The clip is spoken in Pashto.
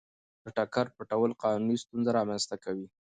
د ټکر پټول قانوني ستونزه رامنځته کوي.